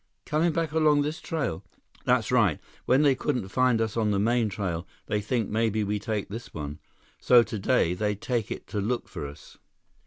"Coming back along this trail?" "That's right. When they couldn't find us on the main trail, they think maybe we take this one. So today, they take it to look for us."